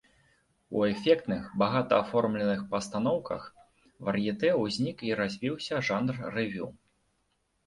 У эфектных, багата аформленых пастаноўках вар'етэ ўзнік і развіўся жанр рэвю.